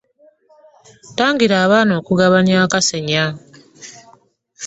Tangira abaana okugabana akasenya.